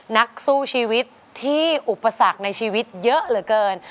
นักสู้ชีวิตที่อุปสรรคในชีวิตเยอะเหลือเกิน